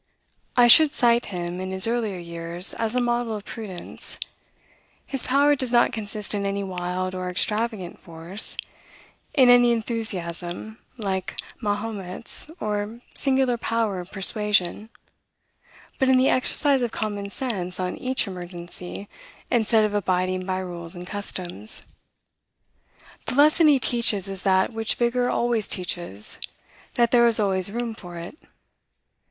I should cite him, in his earlier years, as a model of prudence. His power does not consist in any wild or extravagant force; in any enthusiasm, like Mahomet's; or singular power of persuasion; but in the exercise of common sense on each emergency, instead of abiding by rules and customs. The lesson he teaches is that which vigor always teaches, that there is always room for it.